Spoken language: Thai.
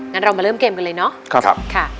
งั้นเรามาเริ่มเกมกันเลยเนาะ